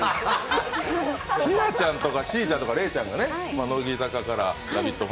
ひなちゃんとかしーちゃんとかレイちゃんが乃木坂から「ラヴィット！」